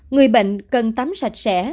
người bệnh cần tắm sạch sẽ